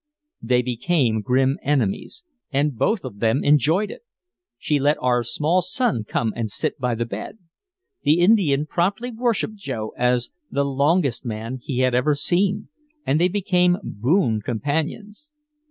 They became grim enemies, and both of them enjoyed it. She let our small son come and sit by the bed. The Indian promptly worshiped Joe as the "longest" man he had ever seen, and they became boon companions.